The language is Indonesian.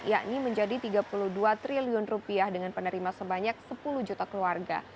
yakni menjadi rp tiga puluh dua triliun dengan penerima sebanyak sepuluh juta keluarga